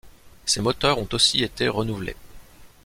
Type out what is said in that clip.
Ses moteurs ont aussi été renouvelés.